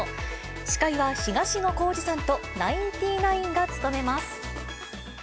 司会は東野幸治さんとナインティナインが務めます。